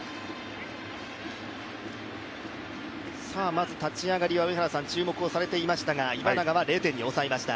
まず立ち上がりは注目をされていましたが、今永は０点に抑えました。